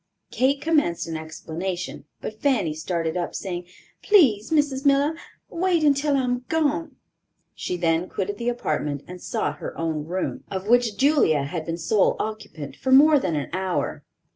Kate commenced an explanation, but Fanny started up, saying: "Please, Mrs. Miller, wait until I am gone." She then quitted the apartment, and sought her own room, of which Julia had been sole occupant for more than an hour.